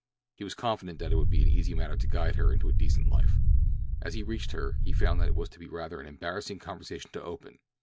He was confident that it would be an easy matter to guide her into a decent life. As he reached her he found that it was to be rather an embarrassing conversation to open.